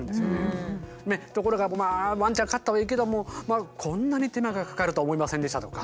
ところがワンちゃん飼ったはいいけども「こんなに手間がかかるとは思いませんでした」とか